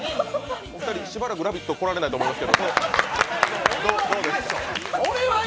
お二人、しばらく「ラヴィット！」来られないと思います。